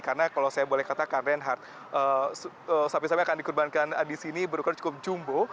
karena kalau saya boleh katakan renhard sapi sapi yang akan dikurbankan di sini berukuran cukup jumbo